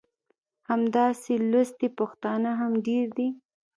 همداسې لوستي پښتانه هم ډېر دي.